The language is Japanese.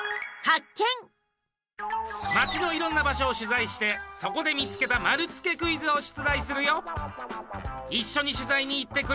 街のいろんな場所を取材してそこで見つけた丸つけクイズを出題するよ！